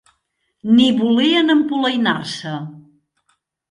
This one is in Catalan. Ni volien empolainar-se